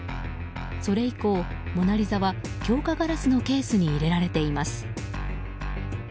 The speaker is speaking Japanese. それ以降「モナリザ」は強化ガラスのケースに入れられています。